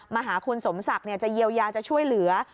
มาหาคุณสมศักดิ์จะเยียวยาจะช่วยเหลือ